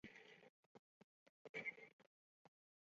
这也是丁丁历险记中第一部直接以彩色形式出版画册的作品。